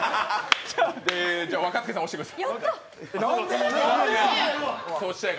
若槻さん押してください。